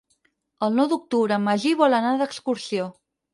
El nou d'octubre en Magí vol anar d'excursió.